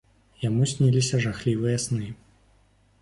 Яму сніліся жахлівыя сны.